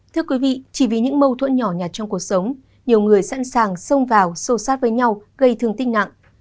thưa quý vị chỉ vì những mâu thuẫn nhỏ nhặt trong cuộc sống nhiều người sẵn sàng xông vào sâu sát với nhau gây thương tích nặng